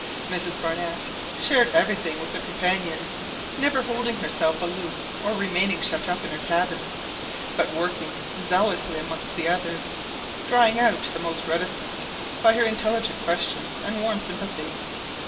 Mrs Barnett shared everything with her companions, never holding herself aloof or remaining shut up in her cabin, but working zealously amongst the others, drawing out the most reticent by her intelligent questions and warm sympathy.